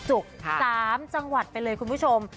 ๓จังหวัดไปเลยคุณผู้ชม